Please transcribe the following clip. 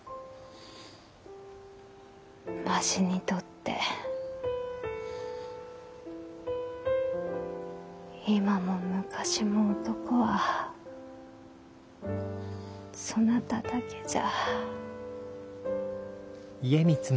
わしにとって今も昔も男はそなただけじゃ。